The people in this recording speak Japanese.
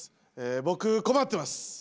僕困ってます。